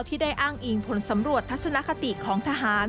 ที่ได้อ้างอิงผลสำรวจทัศนคติของทหาร